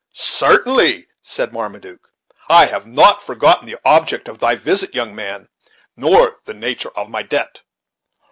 "Certainly," said Marmaduke: "I have not forgotten the object of thy visit, young man, nor the nature of my debt.